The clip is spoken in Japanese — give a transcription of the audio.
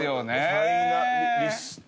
「ファイナリスト」